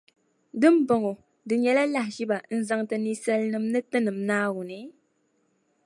Di ni bɔŋɔ, di nyɛla lahiʒiba n-zaŋ ti nisalinim’ ni tinim Naawuni?